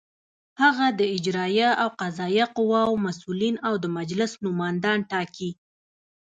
هغه د اجرائیه او قضائیه قواوو مسؤلین او د مجلس نوماندان ټاکي.